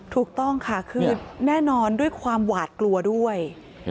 ถูกต้องค่ะคือแน่นอนด้วยความหวาดกลัวด้วย